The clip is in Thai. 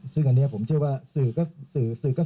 ส่วนบุคคลที่จะถูกดำเนินคดีมีกี่คนและจะมีพี่เต้ด้วยหรือเปล่า